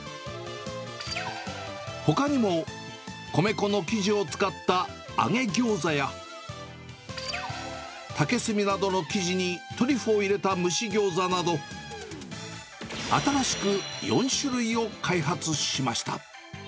ほかにも米粉の生地を使った揚げギョーザや、竹炭などの生地にトリュフを入れた蒸しギョーザなど、新しく４種類を開発しました。